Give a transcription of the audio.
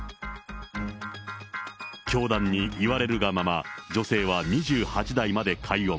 教団に言われるがまま、女性は２８代まで解怨。